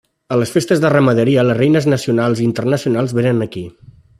A les festes de Ramaderia les reines nacionals i internacionals vénen aquí.